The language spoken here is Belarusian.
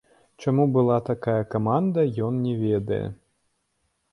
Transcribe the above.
Чаму была такая каманда, ён не ведае.